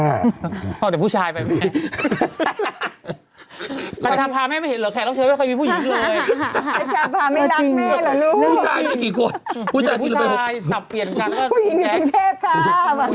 ฮูถักผู้ชายไปไหม